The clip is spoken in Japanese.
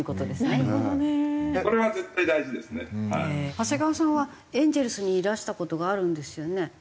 長谷川さんはエンゼルスにいらした事があるんですよね？